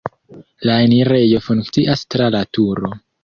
La enirejo funkcias tra la turo.